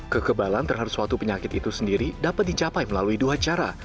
kekebalan terhadap suatu penyakit itu sendiri dapat dicapai melalui dua cara